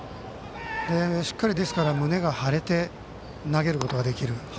しっかり胸が張れて投げることができる。